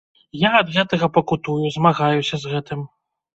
Я ад гэтага пакутую, змагаюся з гэтым.